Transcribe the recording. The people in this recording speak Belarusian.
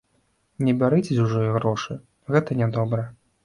Не бярыце чужыя грошы, гэта нядобра.